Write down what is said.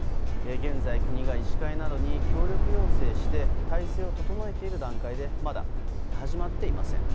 現在、国が医師会などに協力要請して体制を整えている段階でまだ始まっていません。